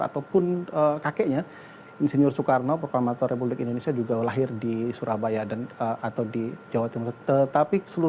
ataupun kakeknya insinyur soekarno proklamator republik indonesia juga lahir di surabaya dan atau di jawa timur